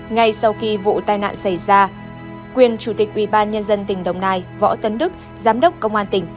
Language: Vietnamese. ngay sau khi vụ tai nạn xảy ra quyền chủ tịch ubnd tỉnh đồng nai võ tấn đức giám đốc công an tỉnh